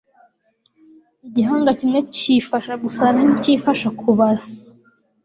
igihanga kimwe kifasha gusara ntikifasha kubara